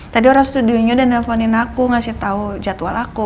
tadi orang studionya udah nelfonin aku ngasih tau jadwal aku